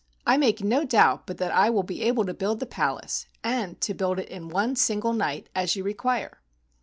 "I make no doubt but that I will be able to build the palace, and to build it in one single night as you require."